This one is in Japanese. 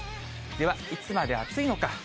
では、いつまで暑いのか。